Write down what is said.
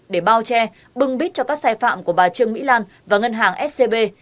để bao che bưng bít cho các sai phạm của bà trương mỹ lan và ngân hàng scb